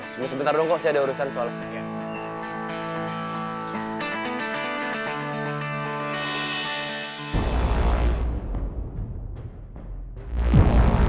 cuma sebentar dong kok sih ada urusan soalnya